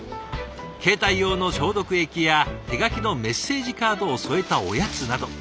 携帯用の消毒液や手書きのメッセージカードを添えたおやつなど。